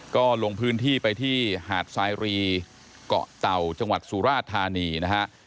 ก็ลงพื้นที่ไปที่หาดสายรีเกาะเต่าจังหวัดสุราชธานีนะฮะ